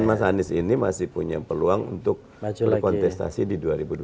mas anies ini masih punya peluang untuk berkontestasi di dua ribu dua puluh